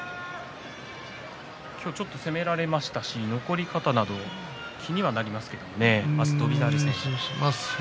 今日はちょっと攻められましたし残り方など気にはなりますけれどもね。